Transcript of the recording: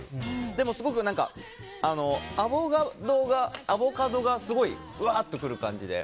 でも、すごくアボカドがすごい、うわってくる感じで。